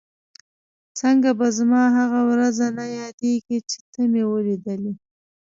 څنګه به زما هغه ورځ نه یادېږي چې ته مې ولیدلې؟